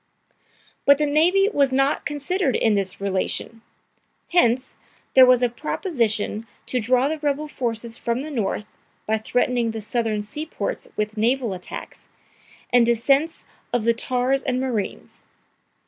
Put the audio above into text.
"] But the navy was not considered in this relation. Hence, there was a proposition to draw the rebel forces from the North, by threatening the Southern seaports with naval attacks, and descents of the tars and marines.